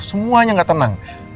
semuanya ga tenang